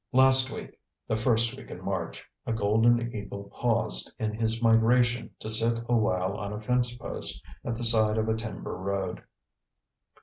Last week the first week in March a golden eagle paused in his migration to sit awhile on a fence post at the side of a timber road.